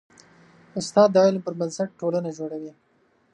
استاد د علم پر بنسټ ټولنه جوړوي.